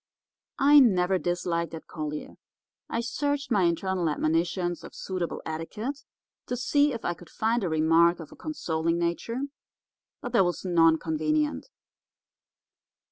I never disliked Ed Collier. I searched my internal admonitions of suitable etiquette to see if I could find a remark of a consoling nature, but there was none convenient.